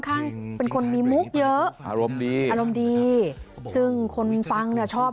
ข้างเป็นคนมีมุกเยอะอารมณ์ดีอารมณ์ดีซึ่งคนฟังเนี่ยชอบ